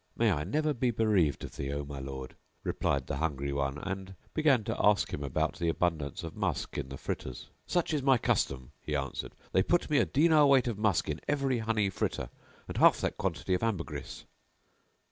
"May I never be bereaved of thee, O my lord," replied the hungry one and began to ask him about the abundance of musk in the fritters. "Such is my custom," he answered: "they put me a dinar weight of musk in every honey fritter and half that quantity of ambergris."